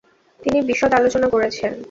তিনি বিশদ আলোচনা করেছেন।